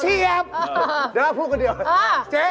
ชี้แอบเดี๋ยวพูดคนเดียวเออเจ๊